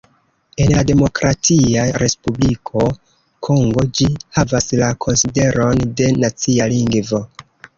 En la Demokratia Respubliko Kongo ĝi havas la konsideron de "nacia lingvo".